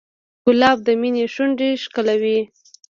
ګلاب د مینې شونډې ښکلوي.